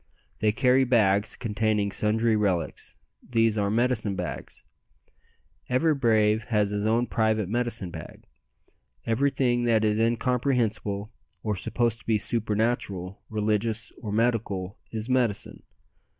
They carry bags containing sundry relics; these are "medicine bags." Every brave has his own private medicine bag. Everything that is incomprehensible, or supposed to be supernatural, religious, or medical, is "medicine."